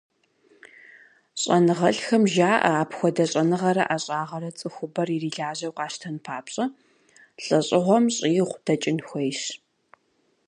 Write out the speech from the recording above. Щӏэныгъэлӏхэм жаӏэ: апхуэдэ щӏэныгъэрэ ӏэщӏагъэрэ цӏыхубэр ирилажьэу къащтэн папщӏэ, лӏэщӏыгъуэм щӏигъу дэкӏын хуейщ.